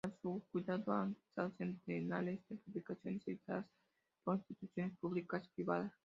A su cuidado han estado centenares de publicaciones editadas por instituciones públicas y privadas.